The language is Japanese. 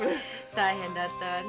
大変だったわね。